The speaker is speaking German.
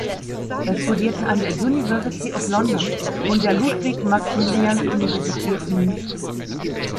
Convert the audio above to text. Er studierte an der University of London und der Ludwig-Maximilians-Universität München.